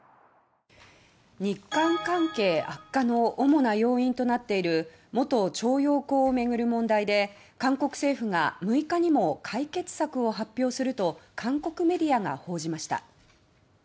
日韓関係悪化の主な要因となっている元徴用工を巡る問題で韓国政府が６日にも解決策を発表すると韓国メディアが報じました。